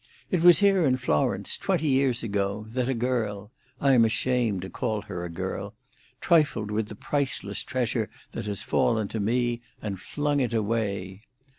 It was here in Florence, twenty years ago, that a girl—I am ashamed to call her a girl—trifled with the priceless treasure that has fallen to me, and flung it away.